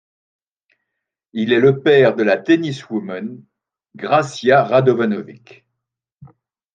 Il est le père de la tenniswoman Gracia Radovanovic.